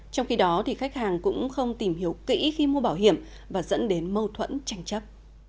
trong khi đó khách hàng cũng không tìm hiểu kỹ khi mua bảo hiểm và dẫn đến mâu thuẫn tranh chấp